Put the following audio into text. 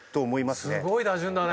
すごい打順だね。